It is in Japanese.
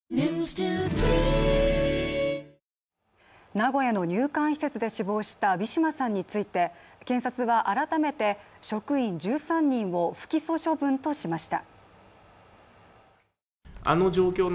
名古屋の入管施設で死亡したウィシュマさんについて、検察は改めて職員１３人を不起訴処分としました。